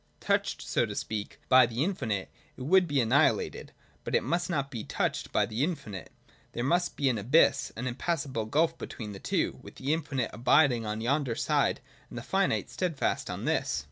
Touched, so to speak, by the infinite, it would be annihilated. But it must not be touched by the infinite. There must be an abyss, an impassable gulf between the two, with the infinite abiding on yonder side and the finite steadfast on this.